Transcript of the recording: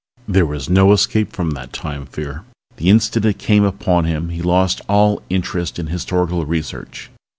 There was no escape from that Time Fear. The instant it came upon him he lost all interest in historical research.